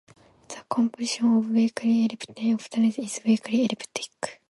The composition of weakly elliptic operators is weakly elliptic.